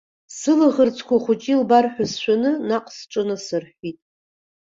Сылаӷырӡқәа ахәыҷы илбар ҳәа сшәаны наҟ сҿы насырҳәит.